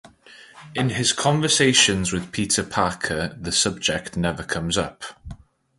In his conversations with Peter Parker, the subject never comes up.